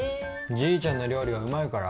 じいちゃんの料理はうまいから。